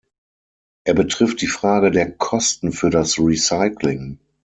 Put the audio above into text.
Er betrifft die Frage der Kosten für das Recycling.